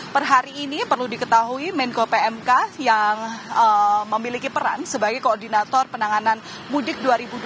per hari ini perlu diketahui menko pmk yang memiliki peran sebagai koordinator penanganan mudik dua ribu dua puluh